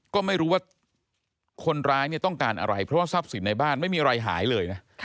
ก็ไม่รู้ว่าคนร้ายเนี่ยต้องการอะไรเพราะว่าทรัพย์สินในบ้านไม่มีอะไรหายเลยนะ